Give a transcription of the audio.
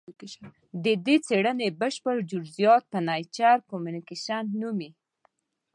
د دې څېړنې بشپړ جزیات په نېچر کمونیکشن نومې